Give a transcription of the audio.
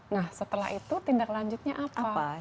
nah setelah itu tindak lanjutnya apa